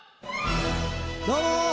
どうも！